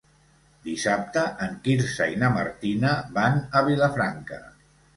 Dissabte en Quirze i na Martina van a Vilafranca.